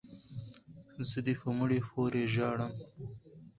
ـ زه دې په مړي پورې ژاړم،